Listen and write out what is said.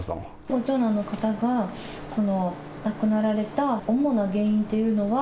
ご長男の方が亡くなられた主な原因というのは。